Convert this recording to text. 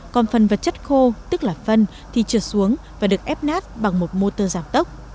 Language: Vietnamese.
còn phần vật chất khô tức là phân thì trượt xuống và được ép nát bằng một motor giảm tốc